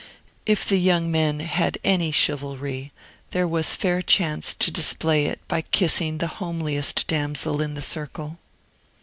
If the young men had any chivalry, there was a fair chance to display it by kissing the homeliest damsel in the circle.